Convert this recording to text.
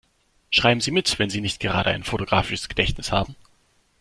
Schreiben Sie mit, wenn Sie nicht gerade ein fotografisches Gedächtnis haben.